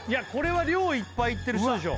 量いっぱいいってる人でしょ